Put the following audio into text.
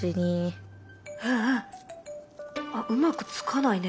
あっうまくつかないね。